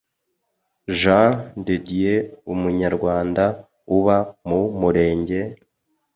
Jean de dieu umunyarwanda uba mu murenge